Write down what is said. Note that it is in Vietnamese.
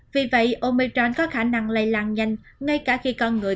vì vậy omechron có khả năng lây lan nhanh ngay cả khi con người